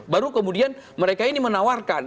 baru kemudian mereka ini menawarkan